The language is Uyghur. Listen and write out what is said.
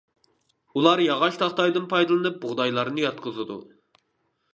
ئۇلار ياغاچ تاختايدىن پايدىلىنىپ بۇغدايلارنى ياتقۇزىدۇ.